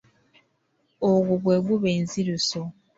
Ogwo gwe guba enziruso.